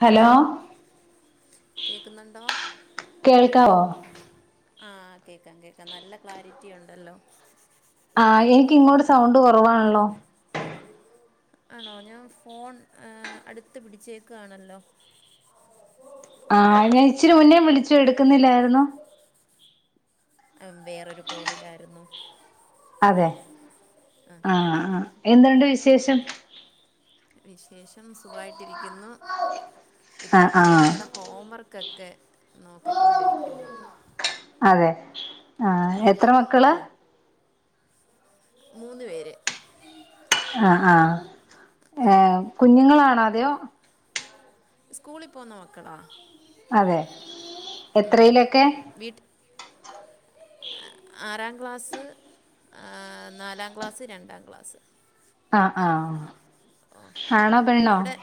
Hello കേൾക്കുന്നുണ്ടോ കേൾക്കാവൊ? ആഹ കേക്കാം കേക്കാം നല്ല ക്ലാരിറ്റിയുണ്ടല്ലോ? ആഹ് എനിക്കിങ്ങോട്ട് സൗണ്ട് കൊറവാണല്ലോ? ആണോ ഞാൻ ഫോൺ അടുത്ത് പിടിച്ചേക്കുകയാണല്ലോ ആഹ് ഞാ ഇച്ചിരി മുന്നേ വിളിച്ചു എടുക്കുന്നില്ലായിരുന്നോ അഹ് വേറൊരു കോളിലായിരുന്നു അതെ ആഹ് ആ്ഹ് എന്ണ്ട് വിശ ശേഷം വിശേഷം സുഖമായിട്ടിരിക്കുന്നു ഇപ്പൊ ആഹ് ആഹ് കുഞ്ഞുങ്ങളുടെ ഹോംവർക്ക് കക്കെ നോക്കിക്കൊണ്ടിരിക്കുന്നു അതെ ആഹാ എത്രെ മക്കള്? മൂന്നു പേര് ആഹ് ആഹ് ഏഹ് കുഞ്ഞുങ്ങള കാണതോ സ്കൂളി പോവ്ന്ന മക്കെളാ അതെ എത്രയിലൊക്കെ വീട്ട് ആറാം ക്ലാസ്സ്, നാലാം ക്ലാസ്സ്, രണ്ടാം ക്ലാസ്, ആഹ ആഹ ആണോ? പെണ്ണോ? അവിടെ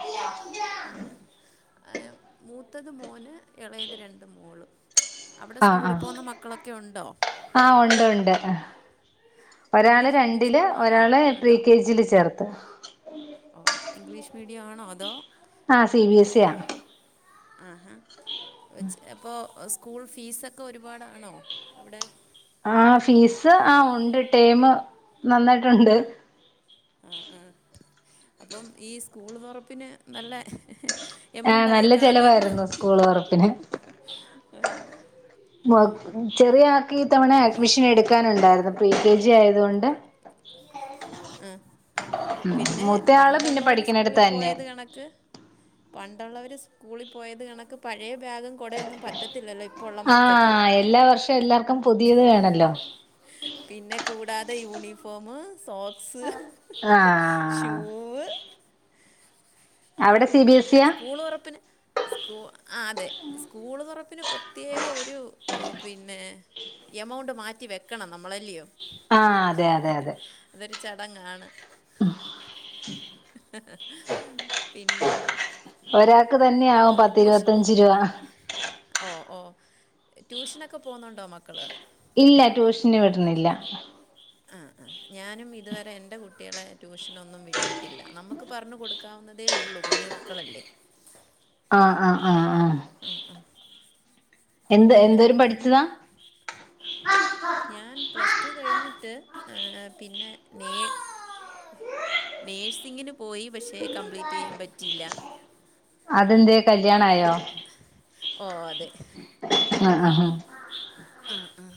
[unintelligible] മൂത്തത് മൂന് ഇളയത് രണ്ട് മൂള് ആ ആ ഉണ്ടോ ആ ഉണ്ട് ഉണ്ട് അ ഒരാള് ഇംഗ്ലീഷ് മീഡിയം രണ്ടില് സ്കൂളാണോ ഒരാളെ അതോ പ്രികെ ജിയില് ചേർത്ത് ഓ ഇംഗ്ലീഷ് മീഡിയം ആണോ അതോ ആ സി ബി എസ് സി ആണ് ആഹാ [unintelligible] അപ്പൊ സ്കൂൾ ഫീസൊക്കെ ഒരുപാടാണോ അവിടെ ആ ഫീസ് ആ ഉണ്ട് ടെമ് നന്നായിട്ടുണ്ട് ആ ആ അപ്പം ഈ സ്കൂള് തുറപ്പിന് നല്ല ആ എമൗണ്ട് ആയി നല്ല കാണുമല്ലോ ചെലവായിരുന്നു സ്കൂൾ തുറപ്പിന് ഉം [unintelligible] ചെറിയ ആൾ ക്കി തവണ അഡ്മിഷൻ എടുക്കാനുണ്ടായിരുന്നു പ്രികെ ജി ആയതുകൊണ്ട് ആ പിന്നെ മൂത്തയാള് പിന്നെ പണ്ടുള്ളവര് പഠിക്കണടുത്ത് സ്കൂളിൽ തന്നെ പോയത് കണക്ക് പണ്ടുള്ളവർ സ്കൂളിൽ പോയത് കണക്ക് പഴയ ബാഗും കുടയൊന്നും പറ്റത്തില്ലല്ലോ ഇപ്പോൾ ഉള്ള ആ മക്കൾക്ക് എല്ലാവർഷവും എല്ലാർക്കും പുതിയത് വേണല്ലോ പിന്നെ കൂടാതെ യൂണിഫോമ് സോക്ക് സ് ആ ഏ സ്കൂള് തൊറപ്പിന് സ്കൂ ആ അതെ സ്കൂള് തൊറപ്പിന് പ്രത്യേക ഒരു ഓ പിന്നെ എമൗണ്ട് മാറ്റി വെക്കണം നമ്മളല്ല്യയോ ആഹ് അതെ അതെ അതെ ചടങ്ങാണ് പിന്നെ ഒരാ ക്ക് തന്നെയാവും ഏഹ്, ട്യൂഷൻ പത്തിരുപത്തഞ്ച് രൂപ ഓ ഓ ട്യൂഷനൊക്കെ പോവുന്നുണ്ടോ മക്കള് ഇല്ലാ ട്യൂഷന് വിടുന്നില്ല ആ ആ ഞാനും ഇതുവരെ എന്റെ കുട്ട്യളെ ട്യൂഷനൊന്നും വിട്ടിട്ടില്ല. നമ്മക്ക് പറഞ്ഞു കൊടുക്കാവുന്നതേ ഉള്ളൂ കുഞ്ഞു മക്കളല്ലേ ആ ആ ആ ആ എന്ത് പിന്നെ എന്തോരംപഠിച്ചതാ എ എ പിന്നെ നേ നേഴ്സിങ്ങിന് പോയി പക്ഷേ കംപ്ലീറ്റെയ്യാൻ പറ്റിയില്ല അതെന്തെ കല്യാണായോ ഓ അതെ ആ ആ ആ ആ ആ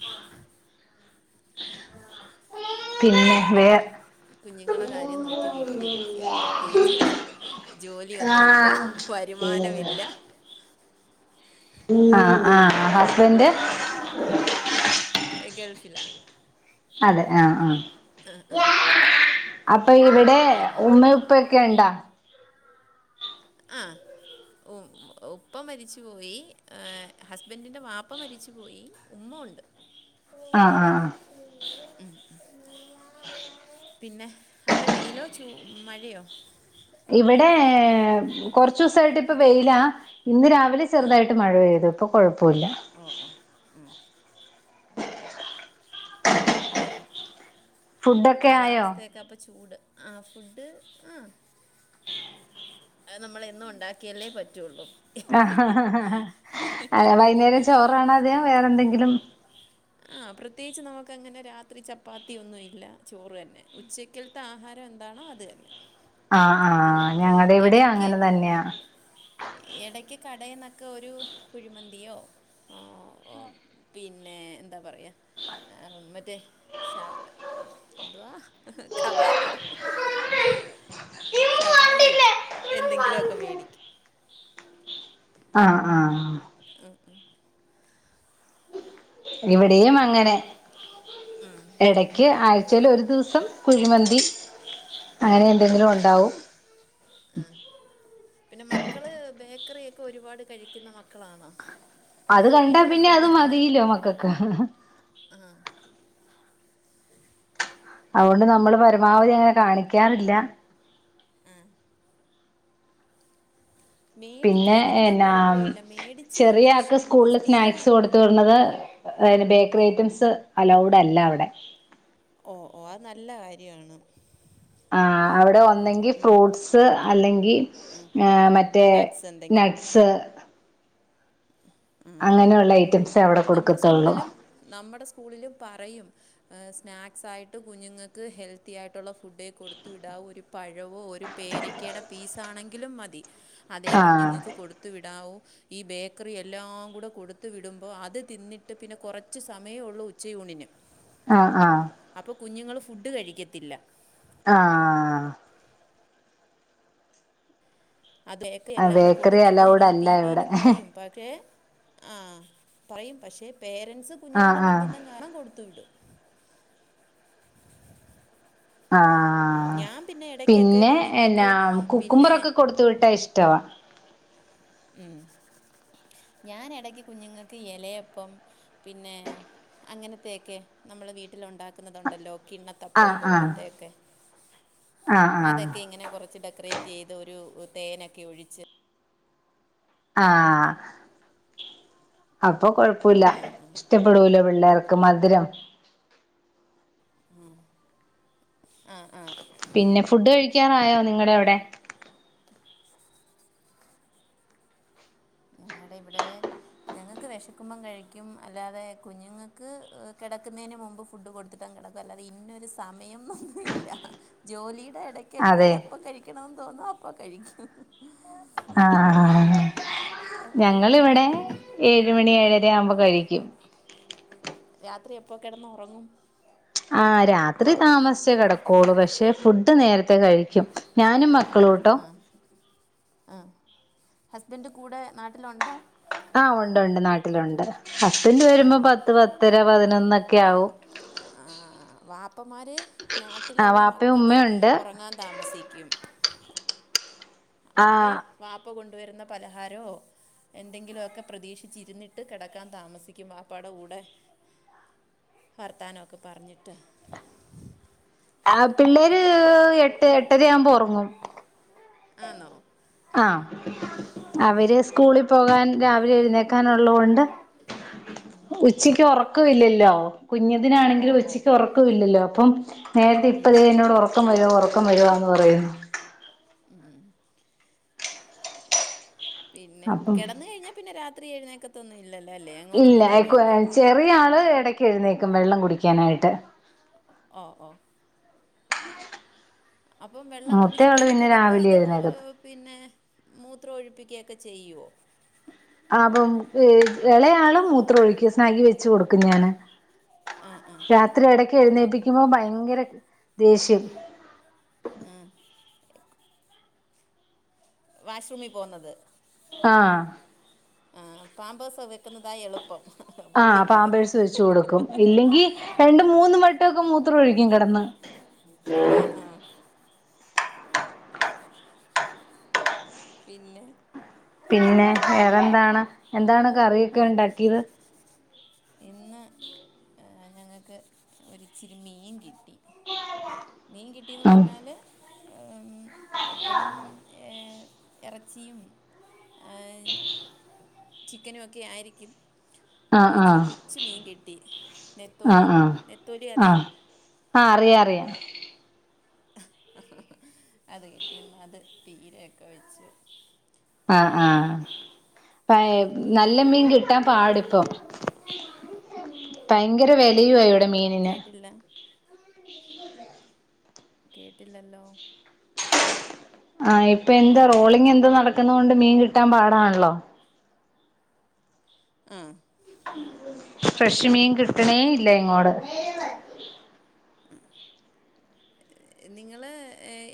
പിന്നെ വേ അതുകൊണ്ടിപ്പം കുഞ്ഞുങ്ങളെ കാര്യം നോക്കി വീട്ടിലിരിക്കുക പ്രത്യേകിച്ച് ജോലിയൊന്നുമില്ല വരുമാനമില്ല ആ ആ ഹസ്ബൻറ് ഗൾഫിലാണ് അതെ ആ ആ ഓ [unintelligible] ഇപ്പൊ ഇവിടെ പിന്നെ ഉമ്മേം ഉപ്പ ക്കെ ഇണ്ടാ? ആ ഉ ഉപ്പ മരിച്ചുപോയി ഹസ്ബന്റിന്റെ വാപ്പ മരിച്ചു പോയി ഉമ്മ ഉണ്ട് ആ ആ ആ പിന്നെ അവിടെ വെയിലോ ചൂ മഴയോ? ഇവിടെ കൊറച്ചു ദിവസമായിട്ട് ഇപ്പ വെയിലാ ഇന്ന് രാവിലെ ചെറുതായിട്ട് മഴ പെയ്തു ഇപ്പൊ കുഴ് ഓ ഓ ഉം പിന്നെ ഫുഡൊക്കെ ആയോ കാലാവസ്ഥയൊക്കെ അപ്പൊ ചൂട് ആ ഫുഡ് ആ അത് നമ്മള എന്നും ഉണ്ടാക്കിയല്ലേ പറ്റുള്ളൂ വൈകുന്നേരം ചോറണോ അദേം വേറെ എന്തെങ്കിലും ആ പ്രത്യേകിച്ച് നമുക്ക്ങ്ങനെ രാത്രി ചപ്പാത്തിയ ഒന്നുഇല്ല ചോറ് തന്നെ ഉച്ചക്കിലത്തെ ആഹാരം എന്താണോ അത് തന്നെ ആ ആഹ് പിന്നെ ഞങ്ങളടെ എവിടെ അങ്ങനെ ഇടയ്ക്ക് തന്നെയാ ടയിന്നൊക്കെ കുഴിമന്തിയോ പിന്നെ എന്താ പറയാ മറ്റേ ഷാ എന്തുവാ കബാബോ ശവായിയോ എന്തെങ്കിലുഒക്കെ മേടിക്കും ആഹ് ആ ഉം ഉം ഇവിടെയും അങ്ങനെ ഇടയ്ക്ക് ആഴ്‌ ച്ചല ഒരു ദിവസം കുഴിമന്തി അങ്ങനെ എന്തെങ്കിലും ഉണ്ടാവും ആ പിന്നെ മക്കള് ബേ ക്കറിയൊക്കെ ഒരുപാട് കഴിക്കുന്ന മക്കളാണോ അത് അതോ കണ്ടാ വീട്ടിലെ പിന്നെ അത് ഫുഡ് തന്നെ മതിലോ മക്കക്ക് അതുകൊണ്ട് നമ്മള് പരമാവധി അങ്ങെ കാണിക്കും ക്കാറില്ല പിന്നെ മേടിക്കാതിരുന്നാൽ എന്നാ കുഴപ്പമില്ല മേടിച്ച് ചെറിയ ഒരു ആൾക്ക് സ്കൂളില് സ്ഥിരം സ്നാക്സ് കൊടുത്ത വരത് ബേക്കറി ഐറ്റംസ് അലൗഡ് അല്ല അവിടെ ഓ ഓ അത് നല്ല കാര്യാണ് ആ അവിടെ ഒന്നെങ്കി ഫ്രൂട്ട്സ് അല്ലെങ്കിൽ മറ്റേ നട്ട്സ് നട്ട്സ് ഉ അങ്ങനെയുള്ള ഐറ്റംസേ അവിടെ നമ്മുടെ കൊടുക്കത്തുള്ളൂ സ്കൂളിലും നമ്മുടെ സ്കൂളിലും പറയും സ്നാക്‌സായിട്ട് കുഞ്ഞുങ്ങൾക്ക് ഹെൽത്തി ആയിട്ടുള്ള ഫുഡേ കൊടുത്ത് വിടാവു ഒരു പഴവോ ഒരു പേരക്കയുടെ പീസ് ആണെങ്കിലും മതി അതേ ആഹ് കുഞ്ഞുങ്ങൾക്ക് കൊടുത്തു വിടാവോ ഈ ബേക് ക്റി എല്ലാം കൂടെ കൊടുത്ത് വിടുമ്പോൾ അത് തിന്നിട്ട് പിന്നെ കുറച്ച് സമയെ ഉള്ളൂ ഉച്ചയൂണിന് ആഹ് ആഹ് അപ്പോൾ കുഞ്ഞുങ്ങൾ ഫുഡ്ഡ് കഴിക്കത്തില്ല ആഹ് [inaudible] ബേക്കറി അലൗഡ് അല്ല ഇവിടെ ആഹ് പറയും പക്ഷെ പേരൻറ്സ് ആഹ് കുഞ്ഞുങ്ങളുടെ ആഹ് നിർബന്ധം കാരണം കൊടുത്തു വിടും ഉം ആഹ് ഞാൻ പിന്നെ ഇടയ്ക്കൊക്കെ പിന്നെ കുഞ്ഞുങ്ങൾക്ക് എന്നാ പിന്നെ കുക്കുമ്പറൊക്കെ കൊടുത്ത് വിട്ടാ ഇഷ്ടവാ മ് ഞാൻ ഇടക്ക് കുഞ്ഞുങ്ങൾക്ക് ഇലയപ്പം പിന്നെ അങ്ങനത്തെയൊക്കെ നമ്മൾ വീട്ടിൽ ഉണ്ടാക്കുന്നതുണ്ടല്ലോ കിണ്ണത്തപ്പം ആഹ് ആഹ് പോലത്തെ ഒക്കെ ആഹ് ആഹ് അതൊക്കെ ഇങ്ങനെ കുറച്ച് ഡെക്കറേറ്റ് ചെയ്ത് ഒരു തേനൊക്കെ ഒഴിച്ച് ആഹ് [inaudible] അപ്പൊ കുഴപ്പമില്ല ഇഷ്ടപ്പെടൂലോ പിള്ളേർക്ക് മധുരം പിന്നെ ഫുഡ് കഴി കിക്കാനായോ നിങ്ങടെ അവിടെ ഞങ്ങളുടെ ഇവിടെ ഞങ്ങൾക്ക് വിശക്കുമ്പം കഴിക്കും അല്ലാതെ കുഞ്ഞുങ്ങൾക്ക് കിടക്കുന്നതിന് മുമ്പ് ഫുഡ് കൊടുത്തിട്ടും കിടക്കും അല്ലാതെ ഇന്നൊരു സമയം ഒന്നുമില്ല ജോലി ഇടയ്ക്കൊക്കെ അതെ എപ്പം കഴിക്കണമെന്ന് തോന്നോ അപ് അപ്പ കഴിക്കും ആഹ് ഹാ ഞങ്ങളിവിടെ ഏഴ് ഴ് മണി ഏഴര ആവുമ്പോൾ കഴിക്കും രാത്രി എപ്പൊ കിടന്ന് ഉറങ്ങും ആ രാത്രി താമസിച്ചേ കിടകുവൊള്ളൂ പക്ഷെ ഫു ഡ് നേരത്തെ കഴിക്കും ഞാനും മക്ക മക്കളുട്ടോ മ് ഹസ്ബൻഡ് കൂടെ നാട്ടിലുണ്ടോ ആഹ് ഉണ്ട് ഉണ്ട് നാട്ടിലുണ്ട് ഹസ്ബൻഡ് ആ വരുമ്പോ പത്ത് പത്തര പതിനൊന്നൊക്കെ ക്കെയാവും വാപ്പമാര് ആഹ് നാട്ടിലുള്ള വാപ്പയും മക്കള് ഉമ്മയുണ്ട് ഉറങ്ങാൻ താമസിക്കും അവര് ആഹ് വാപ്പ കൊണ്ട് ണ്ടു വരുന്ന പലഹാരോ എന്തെങ്കിലും ഒക്കെ പ്രതീക്ഷിച്ചിരുന്നിട്ട് കിടക്കാൻ താമസിക്കും വാപ്പാടെ കൂടെ വർത്താനം ഒക്കെ പറഞ്ഞിട്ട് ആഹ് പിള്ളേര് എട്ട് എട്ടരയാകുമ്പ ഉറങ്ങും ആണോ ആഹ് അവര് സ്കൂളിൽ പോകാൻ രാവിലെ എഴുന്നേക്കാനുള്ളത് കൊണ്ട് ഉച്ചക്ക് ഉറക് ക്ക വില്ലല്ലോ ഓ കുഞ്ഞതിനാണെങ്കിലും ഓ ഉച്ചക്ക് ഉറക്കുമില്ലല്ലോ ഇപ്പം നേരത്തെ ഇപ്പ ദേ എന്നോട് ഒറങ്ങ് ഒറക്കം വരുവ ഒറക്കം വരുവാന്ന് പറയുന്നു പിന്നെ അപ്പം കിടന്ന് കഴിഞ്ഞാ പിന്നെ രാത് ത്രി എഴുന്നേക്കത്തുവൊന്നുമില്ല ഇല്ല ചെറിയ ആള് എടക്ക് എഴുന്നേക്കും വെള്ളം കുടിക്കാനായിട്ട് ഓ ഓ അപ്പം വെള്ളം മൂത്തയാള് കുടിച്ചിട്ടങ്ങ് പിന്നെ കിടക്കുവോ രാവിലെ അതോ എഴുന്നേക്കത്തൊ പിന്നെ മൂത്രം ഒഴിപ്പിക്കയൊക്കെ ചെയ്യുവോ ആഹ് അപ്പം ഇളയാളും മൂത്രം ഒഴിക്കും സ്നഗ്ഗി വെച്ച് കൊടുക്കും ഞാന് ആ ആ രാത്രി ഇടക്ക് എഴുന്നേപ്പിക്കുമ്പോ ഭയങ്കര ദേഷ്യം ആഹ് വാഷ്റൂമിൽ പോകുന്നത് ആഹ് ആഹ് പാമ്പേഴ്സ് വെക്കുന്നതാ എളുപ്പം ആഹ് പുള്ളിക്ക് പാമ്പേഴ്സ് വെച്ച് കൊടുക്കും ഇല്ലെങ്കിൽ രണ്ട് മൂന്ന് വട്ടൊക്കെ മൂ ത്രം ഒഴിക്കും കിടന്ന് ആഹ് ആഹ് പിന്നെ പിന്നെ വേറെന്താണ് എന്താണ് കറിയൊക്കെ വേറെ ഇണ്ടാക്കിയത് ഇന്ന് [inaudible] ഞങ്ങൾക്ക് ഒരിച്ചിരി മീൻ കി ട്ടി മീൻ കിട്ടീന്ന് ആഹ് പറഞ്ഞാല് ഉം എപ്പോഴും ഏ ഇറച്ചിയും ചിക്കനും ഒക്കെ ആയിരിക്കും അപ്പൊ ആഹ് ഇച്ചിരി ആഹ് കുച്ചു മീൻ കിട്ടി ആഹ് നെത്തോലി ആഹ് നെത്തോലി അറിയോ ആഹ് ആഹ് അറിയാം അറിയാം ഹഹ ആഹ ആഹ പ നല്ല മീൻ കിട്ടാൻ പാടിപ്പം ഭയങ്കര വിലയു മീനിന് [inaudible] കേട്ടില്ല കേട്ടില്ലല്ലോ ആഹ ഇപ്പൊ എന്താ റോളിങ് എന്താ നടക്കുന്ന കൊണ്ട് മീൻ കിട്ടാൻ പാടാണല്ലോ ആഹ [unintelligible] [unintelligible] നിങ്ങള്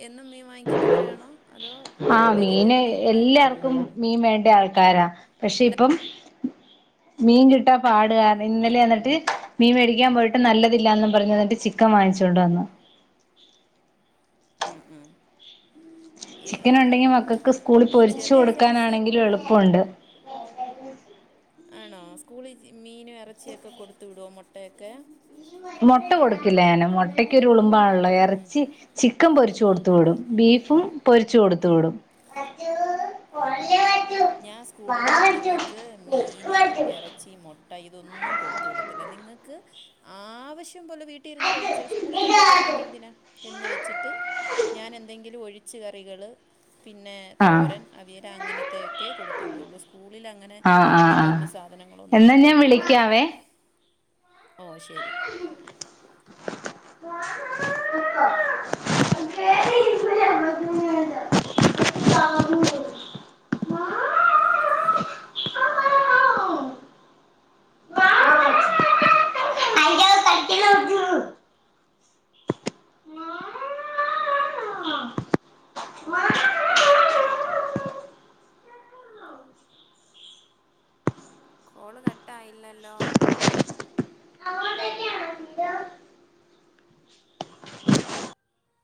എന്നും മീൻ വാങ്ങിക്കുന്നവരാണോ അതോ ആഹ് മീന് വെജിറ്റബിളും കൂടെ എല്ലാർക്കും മീൻ വേണ്ട പക്ഷെ ആ ഇപ്പം മീൻ കിട്ടാ പാട ഇന്നലെ ആ മീൻ മേടിക്കാൻ പോയിട്ട് നല്ലത്തില്ല പറഞ്ഞു എന്നിട്ട് ചിക്കൻ വാങ്ങിച്ചോണ്ട് വന്ന് മ് മ് ചിക്കൻ ഉണ്ടെങ്കി മക്കൾക്ക് സ്കൂളിൽ പൊരിച്ചു ചെറിയ സൈസ് കൊടുക്കാനാണെങ്കിലും എളുപ്പം ഇണ്ട് [unintelligible] ആണോ സ്കൂളിൽ മീന ഇറച്ചിയൊക്കെ കൊടുത്തു വിടുവോ മുട്ടയൊക്കെ മുട്ട കൊടുക്കില്ല ഞാന് മുട്ടക്കൊ ഒരുലുബാംണല്ലോ ഇറച്ചി ചിക്കൻ പൊരിച്ച് കൊടുത്ത് വിടും [inaudible] പൊരിച്ച കൊടുത്തു വിടും ഞാൻ സ്കൂളിൽ കുഞ്ഞുങ്ങൾക്ക് മീൻ ഇറച്ചി മുട്ട ഇതൊന്നും ആവശ്യ പോലെ വീട്ടിലിരുന്ന് കഴിച്ചോ സ്കൂളിൽ കൊണ്ടുപോയി കഴിക്കുന്ന എന്തിനാന്ന് എന്ന് വെച്ച് ച്ച് കറികൾ പിന്നെ ആഹ് തോരൻ തീര അങ്ങനെതെ ഒക്കെ കൊടുത്ത വിടുള്ളൂ സ്കൂളില അങ്ങനെ ആഹ് ആഹ് ഈ ആഹ് പറഞ്ഞ എന്നാ സാധനങ്ങളൊന്നും ഞാൻ കൊടുത്തു വിടത്തില്ല വിളിക്കാവേ ഓ ശരി [inaudible] അയ്യോ കളിക്കല്ലേ ഉള്ളൂ. [inaudible] കോള് കട്ടായില്ലല്ലോ അങ്ങോട്ടേക്കാണ്